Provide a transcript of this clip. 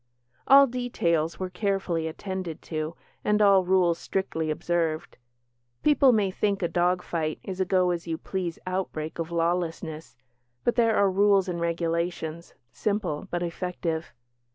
All details were carefully attended to, and all rules strictly observed. People may think a dog fight is a go as you please outbreak of lawlessness, but there are rules and regulations simple, but effective.